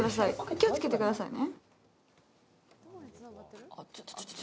気をつけてくださいね。